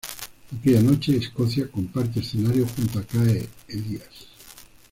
Aquella noche "Escocia" comparte escenario junto a ""Cae"" Elías.